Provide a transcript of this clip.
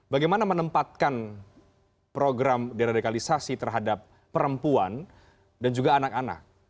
bagaimana menempatkan program deradikalisasi terhadap perempuan dan juga anak anak